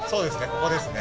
ここですね。